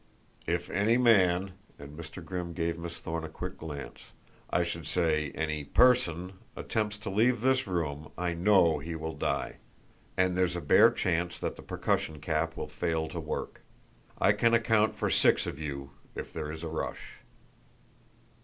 "If any man," and Mr. Grimm gave Miss Thorne a quick glance, "I should say, any person, attempts to leave this room I know he will die; and there's a bare chance that the percussion cap will fail to work. I can account for six of you, if there is a rush."